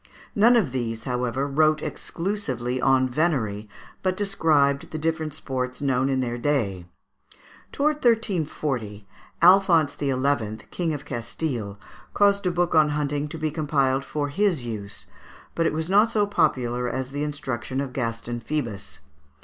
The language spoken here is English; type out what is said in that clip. None of these, however, wrote exclusively on venery, but described the different sports known in their day. Towards 1340, Alphonse XI., king of Castile, caused a book on hunting to be compiled for his use; but it was not so popular as the instruction of Gaston Phoebus (Fig.